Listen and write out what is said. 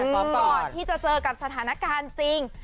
ก่อนที่จะจะเจอกับสถานะกาลจริง